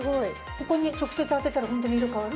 ここに直接当てたらホントに色変わる？